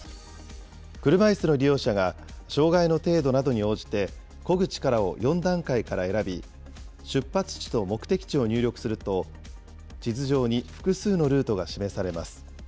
車いすの利用者が障害の程度などに応じて、こぐ力を４段階から選び、出発地と目的地を入力すると、地図上に複数のルートが示されます。